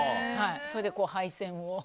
それで配線を。